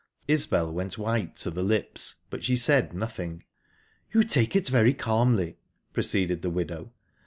Isbel went white to the lips, but she said nothing. "You take it very calmly," proceeded the widow.